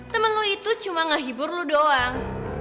temen lo itu cuma ngehibur lo doang